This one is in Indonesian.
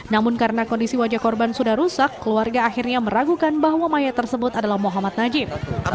namun karena kondisi wajah korban sudah rusak keluarga akhirnya meragukan bahwa mayat tersebut adalah muhammad najib